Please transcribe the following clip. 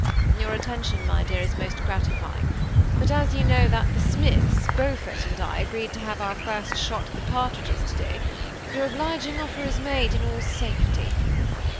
" Your attention, my dear, is most gratifying, but as you know that the Smiths, Beaufort, and I agreed to have our first shot at the partridges to day, your oblig ing offer is made in all safety."